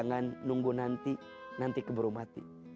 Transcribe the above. jangan nunggu nanti keburu mati